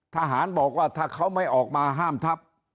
ทหารบอกว่าถ้าเขาไม่ออกมาห้ามทับ